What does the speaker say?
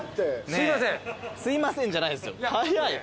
すいませんじゃないですよ。